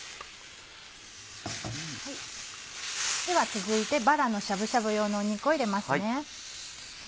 では続いてバラのしゃぶしゃぶ用の肉を入れます。